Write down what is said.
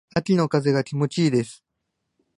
秋の風が気持ち良いです。